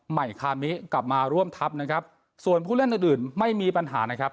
ใหม่คามิกลับมาร่วมทัพนะครับส่วนผู้เล่นอื่นอื่นไม่มีปัญหานะครับ